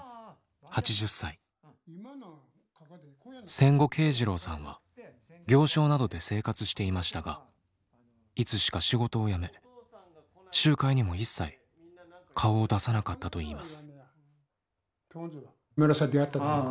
戦後慶次郎さんは行商などで生活していましたがいつしか仕事を辞め集会にも一切顔を出さなかったといいます。